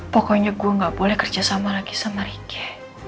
pokoknya gue gak boleh kerja sama lagi sama riki